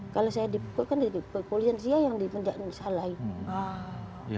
kalau saya dipukul kan di pekulian dia yang salah ini